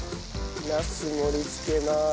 ナス盛り付けます。